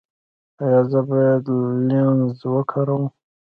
ایا زه باید لینز وکاروم؟